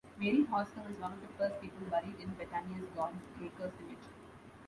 Mary Hauser was one of the first people buried in Bethania's God's Acre cemetery.